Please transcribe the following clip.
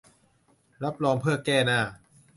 รับรองเพื่อแก้หน้า